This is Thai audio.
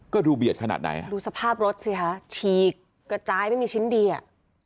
ก็ดูเบียดขนาดไหนอ่ะดูสภาพรถสิคะฉีกกระจายไม่มีชิ้นดีอ่ะ